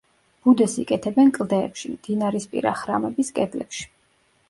ბუდეს იკეთებენ კლდეებში, მდინარისპირა ხრამების კედლებში.